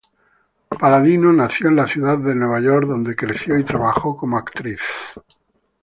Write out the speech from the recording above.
Palladino nació en la ciudad de Nueva York, donde creció y trabajó como actriz.